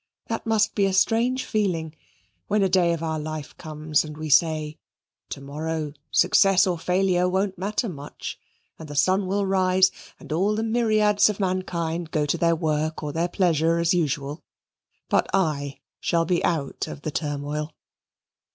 That must be a strange feeling, when a day of our life comes and we say, "To morrow, success or failure won't matter much, and the sun will rise, and all the myriads of mankind go to their work or their pleasure as usual, but I shall be out of the turmoil."